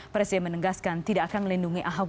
presiden menegaskan tidak akan melindungi ahok